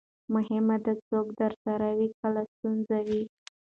مهمه ده، څوک درسره وي کله ستونزه وي.